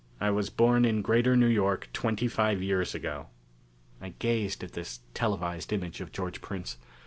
I was born in Greater New York twenty five years ago." I gazed at this televised image of George Prince.